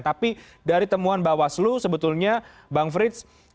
tapi dari temuan bawaslu sebetulnya bang frits